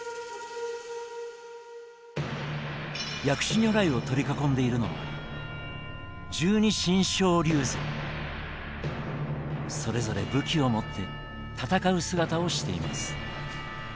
薬師如来を取り囲んでいるのはそれぞれ武器を持って戦う姿をしています。